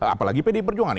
apalagi pdi perjuangan